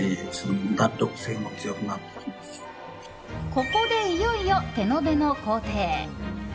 ここで、いよいよ手延べの工程。